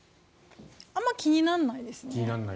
あまり気にならないですね。